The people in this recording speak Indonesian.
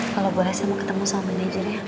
kalau boleh saya mau ketemu sama manajernya